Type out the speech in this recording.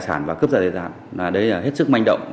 chú ngô quyền hải phòng